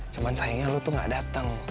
cuman sayangnya lo tuh gak dateng